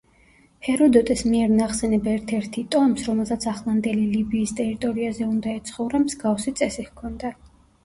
ჰეროდოტეს მიერ ნახსენებ ერთ-ერთი ტომს, რომელსაც ახლანდელი ლიბიის ტერიტორიაზე უნდა ეცხოვრა, მსგავსი წესი ჰქონდა.